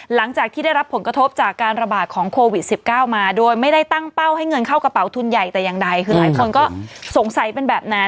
หลังจากที่ได้รับผลกระทบจากการระบาดของโควิด๑๙มาโดยไม่ได้ตั้งเป้าให้เงินเข้ากระเป๋าทุนใหญ่แต่อย่างใดคือหลายคนก็สงสัยเป็นแบบนั้น